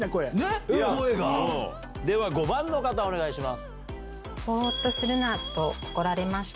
では５番の方お願いします。